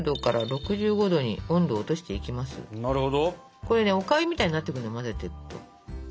これねおかゆみたいになってくのよ混ぜてると。